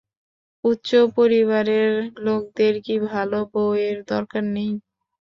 উচ্চ পরিবারের লোকদের কী ভালো বৌয়ের দরকার নেই?